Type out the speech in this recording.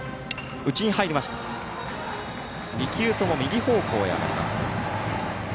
２球とも右方向に上がりました。